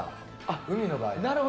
海の場合。